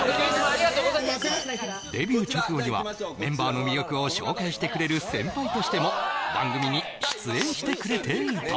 ありがとうございますデビュー直後にはメンバーの魅力を紹介してくれる先輩としても番組に出演してくれていた